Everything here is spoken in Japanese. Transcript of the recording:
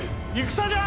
戦じゃ！